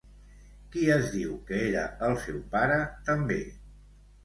Qui es diu que era el seu pare també?